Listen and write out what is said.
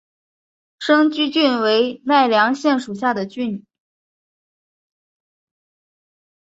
生驹郡为奈良县属下的郡。